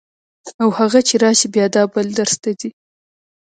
او هغه چې راشي بیا دا بل درس ته ځي.